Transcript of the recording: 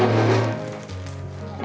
aku mau ke rumah